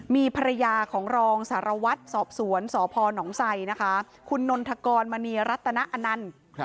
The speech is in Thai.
มีภรรยาของรองสารวัตรสอบสวนสพนไซนะคะคุณนนทกรมณีรัตนอนันต์